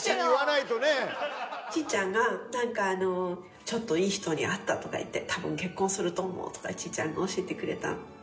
ちーちゃんがなんかあの「ちょっといい人に会った」とか言って「多分結婚すると思う」とかちーちゃんが教えてくれた。